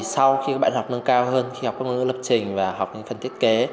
sau khi các bạn học nâng cao hơn khi học các ngôn ngữ lập trình và học những phần thiết kế